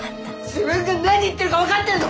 自分が何言ってるか分かってるの！？